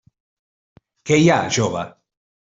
Què hi ha, jove?